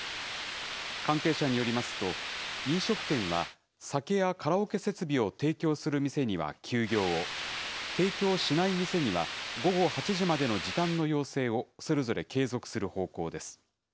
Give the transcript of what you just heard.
関係者によりますと、飲食店は酒やカラオケ設備を提供する店には休業を、提供しない店には、午後８時までの時短の要請を、それぞれ継続する方向です。